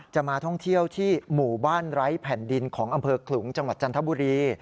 มาท่องเที่ยวที่หมู่บ้านไร้แผ่นดินของอำเภอขลุงจังหวัดจันทบุรี